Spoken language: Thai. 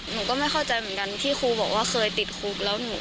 หนูก็ไม่เข้าใจเหมือนกันที่ครูบอกว่าเคยติดคุกแล้วหนู